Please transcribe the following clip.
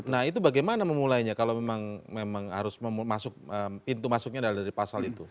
nah itu bagaimana memulainya kalau memang harus masuk pintu masuknya dari pasal itu